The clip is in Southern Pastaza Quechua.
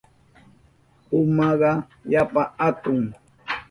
Pumaka yapa hatun.